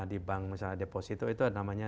di bank misalnya deposito itu namanya